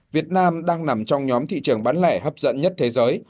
việt nam đang nằm trong nhóm thị trường bán lẻ hấp dẫn nhất thế giới